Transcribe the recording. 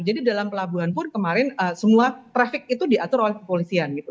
jadi dalam pelabuhan pun kemarin semua traffic itu diatur oleh kepolisian gitu